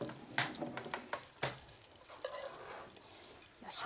よいしょ。